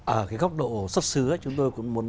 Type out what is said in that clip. ở cái góc độ xuất xứ chúng tôi cũng muốn